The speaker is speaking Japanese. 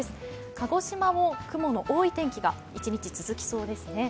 鹿児島も雲の多い天気が一日続きそうですね。